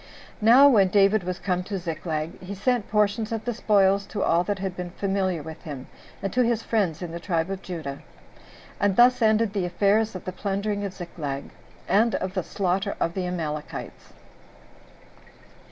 Now when David was come to Ziklag, he sent portions of the spoils to all that had been familiar with him, and to his friends in the tribe of Judah. And thus ended the affairs of the plundering of Ziklag, and of the slaughter of the Amalekites.